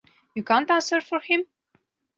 You can't answer for him?